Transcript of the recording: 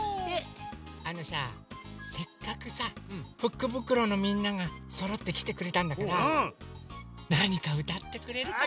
あのさせっかくさ「フックブックロー」のみんながそろってきてくれたんだからなにかうたってくれるかな？